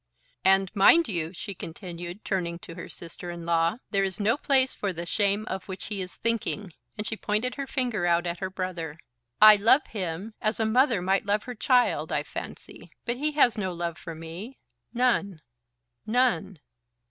"And, mind you," she continued, turning to her sister in law, "there is no place for the shame of which he is thinking," and she pointed her finger out at her brother. "I love him, as a mother might love her child, I fancy; but he has no love for me; none; none.